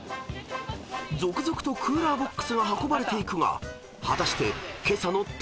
［続々とクーラーボックスが運ばれていくが］